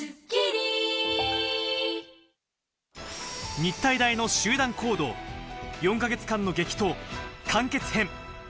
日体大の集団行動、４か月間の激闘完結編。